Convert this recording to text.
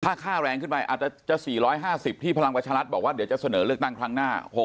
ถ้าค่าแรงขึ้นไปอาจจะ๔๕๐ที่พลังประชารัฐบอกว่าเดี๋ยวจะเสนอเลือกตั้งครั้งหน้า